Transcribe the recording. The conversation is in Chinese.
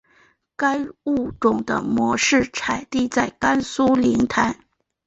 该物种的模式产地在甘肃临潭。